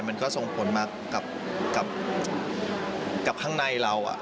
มันก็ส่งผลมากับข้างในเรา